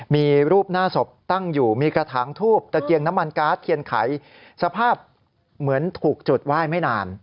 มีรูปหน้าศพตั้งอยู่มีกระถางทูบตะเกียงน้ำมันการ์ดเทียนไขสภาพเหมือนถูกจุดไหว้ไม่นาน